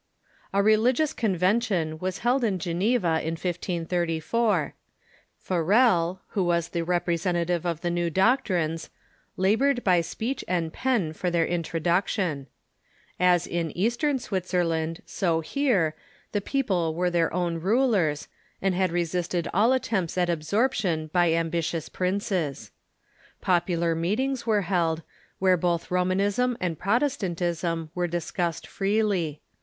A religious convention Avas held in Geneva in 1534. Farel, who was the representative of the new doctrines, labored by speech and pen for their introduction. As in Eastern Switzer land, so here, the people were their own rulers, and had resist ed all attempts at absorption by ambitious princes. Popular meetings were held, where both Romanism and Protestantism were discussed freely.